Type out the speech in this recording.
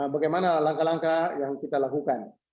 bagaimana langkah langkah yang kita lakukan